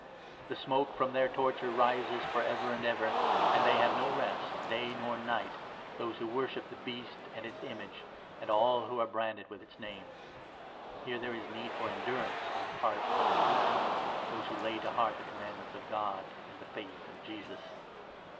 The smoke from their torture rises for ever u and ever, and they have no rest day nor night — those who worship the Beast and its image, and all who are branded with its name.' (Here there is need for endurance on 12 the part of Christ's People — those who lay to heart the com mands of God and the Faith of Jesus.)